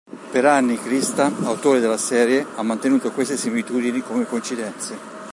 Per anni, Christa, autore della serie, ha mantenuto queste similitudini come coincidenze.